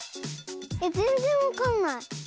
えっぜんぜんわかんない。